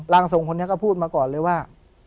ทรงคนนี้ก็พูดมาก่อนเลยว่า